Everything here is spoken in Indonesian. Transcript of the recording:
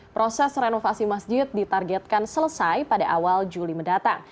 proses renovasi masjid ditargetkan selesai pada awal juli mendatang